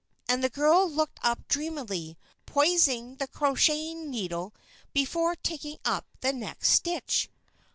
and the girl looked up dreamily, poising the crocheting needle before taking up the next stitch.